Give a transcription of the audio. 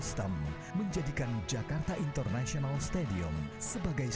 street peribadi diri beri segala janji